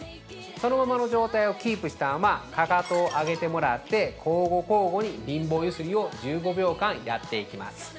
そのままの状態をキープしたままかかとを上げてもらって、交互交互に貧乏ゆすりを１５秒間やっていきます。